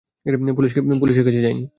পুলিশের কাছে যাইনি।